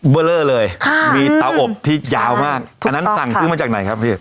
เบอร์เลอร์เลยค่ะมีเตาอบที่ยาวมากอันนั้นสั่งซื้อมาจากไหนครับพี่